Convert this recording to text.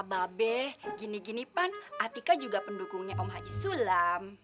mbak be gini ginipan atika juga pendukungnya om haji sulam